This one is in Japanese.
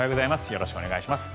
よろしくお願いします。